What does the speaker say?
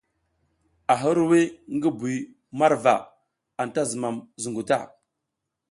A hirwuy ngi bi marwa, anta zumam zungu ta.